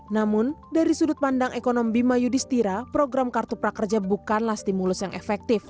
namun dari sudut pandang ekonomi bima yudhistira program kartu prakerja bukanlah stimulus yang efektif